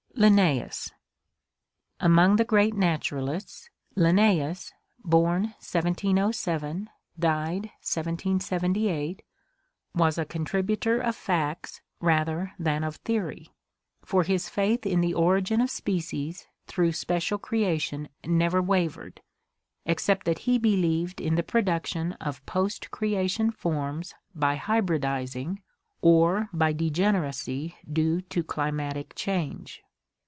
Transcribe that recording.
Linnaeus, — Among the great naturalists, Linnaeus (i 707 1 778) was a contributor of facts rather than of theory, for his faith in the origin of species through Special Creation never wavered, except that he believed in the production of post creation forms by hy bridizing or by degeneracy due to climatic change.